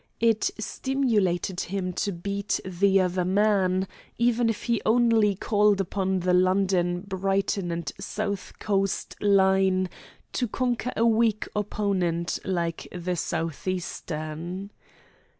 It stimulated him to "beat the other man," even if he only called upon the London, Brighton, and South Coast line to conquer a weak opponent like the South Eastern.